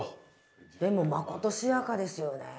でもまことしやかですよね。